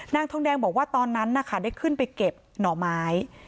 นางทองแดงบอกว่าตอนนั้นนะคะได้ขึ้นไปเก็บหน่อไม้